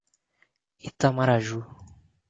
Itamaraju